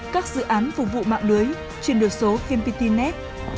các dự án phục vụ mạng lưới triển đổi số vmpt net